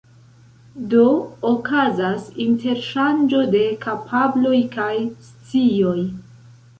Do okazas interŝanĝo de kapabloj kaj scioj.